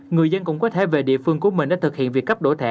người dân cũng có thể về địa phương của mình để thực hiện việc cấp đổi thẻ